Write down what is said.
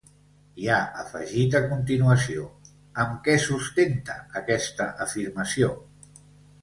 I ha afegit a continuació: Amb què sustenta aquesta afirmació?